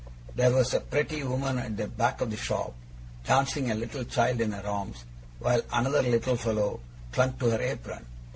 There was a pretty woman at the back of the shop, dancing a little child in her arms, while another little fellow clung to her apron.